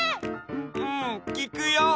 うんきくよ。